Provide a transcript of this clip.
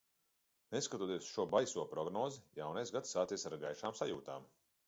Neskatoties uz šo baiso prognozi, jaunais gads sācies ar gaišām sajūtām.